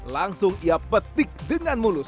langsung ia petik dengan mulus